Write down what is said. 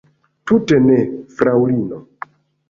Tute ne, fraŭlino.